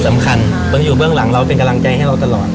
บางทีอยู่เบื้องหลังเราเป็นกำลังใจให้เราตลอด